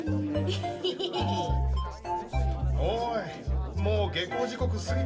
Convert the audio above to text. おいもう下校時刻過ぎてるぞ。